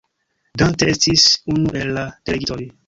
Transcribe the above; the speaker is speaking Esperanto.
Dante estis unu el la delegitoj.